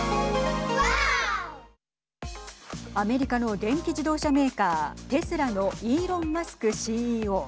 アメリカの電気自動車メーカーテスラのイーロン・マスクＣＥＯ。